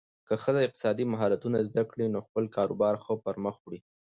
که ښځه اقتصادي مهارتونه زده کړي، نو خپل کاروبار ښه پرمخ وړي.